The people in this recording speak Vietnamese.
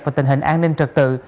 về tình hình an ninh trật tự